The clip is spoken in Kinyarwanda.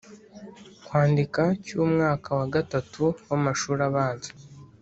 kwandika cy’umwaka wa gatatu w’amashuri abanza,